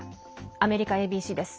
アメリカＡＢＣです。